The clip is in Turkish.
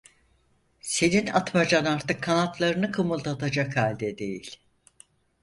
Senin Atmacan artık kanatlarını kımıldatacak halde değil!